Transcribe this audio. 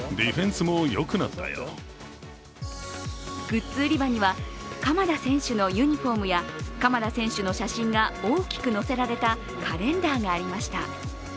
グッズ売り場には鎌田選手のユニフォームや鎌田選手の写真が大きく載せられたカレンダーがありました。